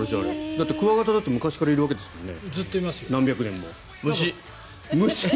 だって、クワガタだって昔からいるわけですもんね。